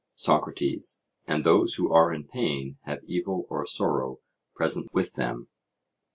SOCRATES: And those who are in pain have evil or sorrow present with them?